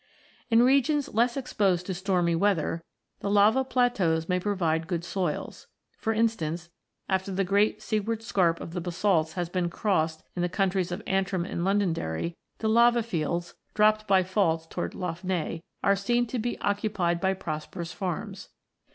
In regions less exposed to stormy weather, the lava plateaus may provide good soils. For instance, after the great seaward scarp of the basalts has been crossed in the counties of Antrim and of Londonderry, the lava fields, dropped by faults towards Lough Neagh, are seen to be occupied by prosperous farms.